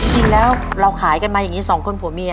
จริงแล้วเราขายกันมาอย่างนี้สองคนผัวเมีย